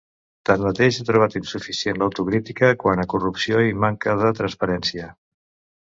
Tanmateix, ha trobat insuficient l’autocrítica quant a corrupció i manca de transparència.